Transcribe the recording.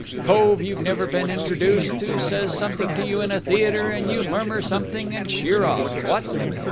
Cove you've never been introduced to says something to you in a theatre, and you murmur something and sheer off. What?"